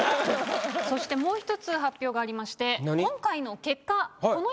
そしてもう一つ発表がありましてえっ？